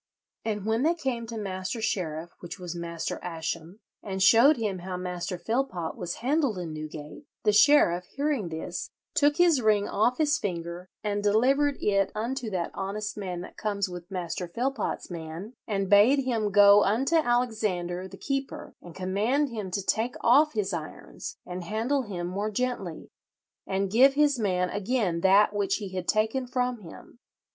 "And when they came to Master Sheriff, which was Master Ascham, and showed him how Master Philpot was handled in Newgate, the sheriff, hearing this, took his ring off his finger and delivered it unto that honest man that comes with Master Philpot's man, and bade him go unto Alexander the keeper and command him to take off his irons and handle him more gently, and give his man again that which he had taken from him.